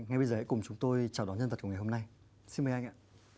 ngay bây giờ hãy cùng chúng tôi chào đón nhân vật của ngày hôm nay xin mời anh ạ